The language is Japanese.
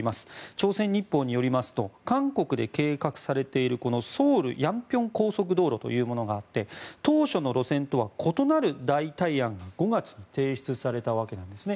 朝鮮日報によりますと韓国で計画されているソウル・楊平高速道路というものがあって当初の路線とは異なる代替案が５月に提出されたわけなんですね。